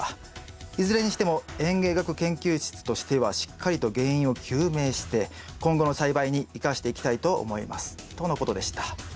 いずれにしても園芸学研究室としてはしっかりと原因を究明して今後の栽培に生かしていきたいと思います」とのことでした。